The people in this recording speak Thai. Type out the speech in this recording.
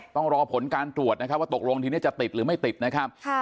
ต้องรอผลการตรวจนะครับว่าตกลงทีนี้จะติดหรือไม่ติดนะครับ